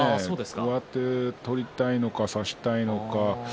どうやって取りたいのか差したいのか。